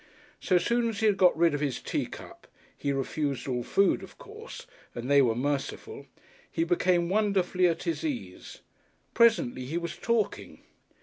So soon as he had got rid of his teacup he refused all food, of course, and they were merciful he became wonderfully at his ease. Presently he was talking.